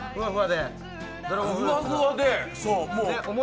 ふわふわで。